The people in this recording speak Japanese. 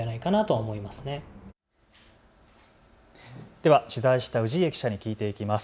では取材した氏家記者に聞いていきます。